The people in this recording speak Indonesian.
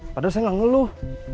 padahal saya gak ngeluh